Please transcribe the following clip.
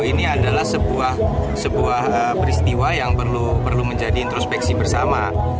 ini adalah sebuah peristiwa yang perlu menjadi introspeksi bersama